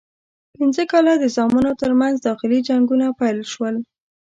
پنځه کاله د زامنو ترمنځ داخلي جنګونه پیل شول.